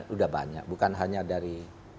udah banyak bukan hanya dari